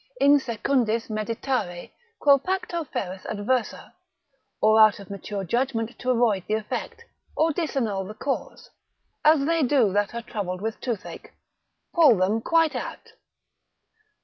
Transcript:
In secundis meditare, quo pacto feras adversa: or out of mature judgment to avoid the effect, or disannul the cause, as they do that are troubled with toothache, pull them quite out.